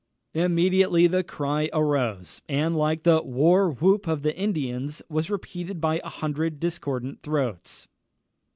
Immediately the cry arose, and, like the war whoop of the Indians, was repeated by a hundred discordant throats.